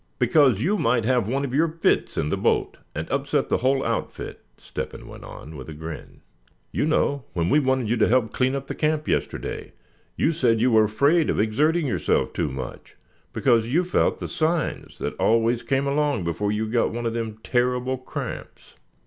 "Because you might have one of your fits in the boat, and upset the whole outfit," Step hen went on, with a grin; "you know, when we wanted you to help clean up around the camp yesterday, you said you were afraid of exerting yourself too much, because you felt the signs that always came along before you got one of them terrible cramps."